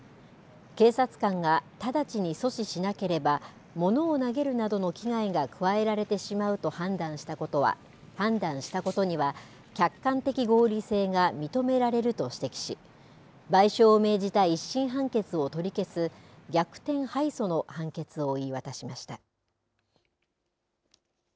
警察官が直ちに阻止しなければ物を投げるなどの危害が加えられてしまうと判断したことには客観的合理性が認められると指摘し賠償を命じた１審判決を取り消す逆転敗訴の判決を言い渡しました。